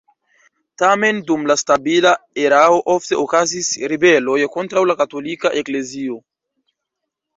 Tamen dum la stabila erao ofte okazis ribeloj kontraŭ la katolika eklezio.